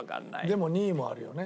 でも２位もあるよね。